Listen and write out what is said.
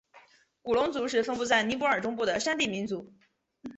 古隆族是分布在尼泊尔中部的山地民族。